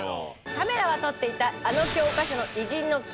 カメラは撮っていたあの教科書の偉人の貴重映像。